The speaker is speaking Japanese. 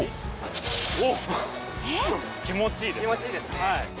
気持ちいいですね。